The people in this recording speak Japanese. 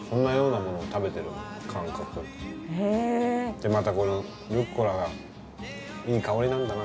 でまたこのルッコラがいい香りなんだな。